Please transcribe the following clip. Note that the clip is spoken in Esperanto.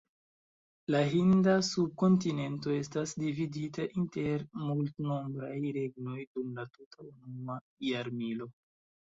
La Hinda subkontinento estas dividita inter multnombraj regnoj dum la tuta unua jarmilo.